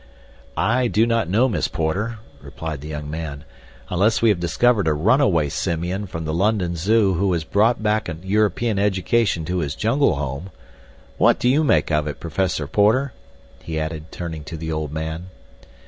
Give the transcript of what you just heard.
"I do not know, Miss Porter," replied the young man, "unless we have discovered a runaway simian from the London Zoo who has brought back a European education to his jungle home. What do you make of it, Professor Porter?" he added, turning to the old man.